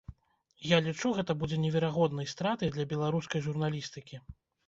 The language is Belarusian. Я лічу, гэта будзе неверагоднай стратай для беларускай журналістыкі.